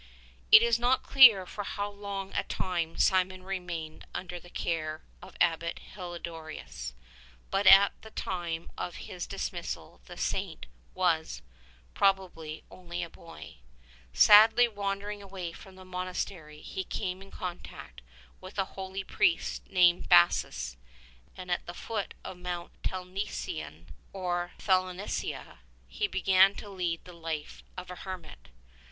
It is not clear for how long a time Simeon remained un der the care of Abbot Helidorous, but at the time of his dismissal the Saint was, probably, only a boy. Sadly wan dering away from the monastery, he came in contact with a holy priest named Bassus, and at the foot of Mount Tel nescin, or Thelanissa, he began to lead the life of a hermit.